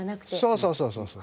そうそうそうそう。